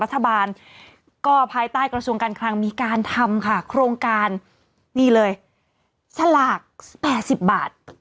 รัฐบาลก็ภายใต้กระทรวงการคลังมีการทำค่ะโครงการนี่เลยสลาก๘๐บาท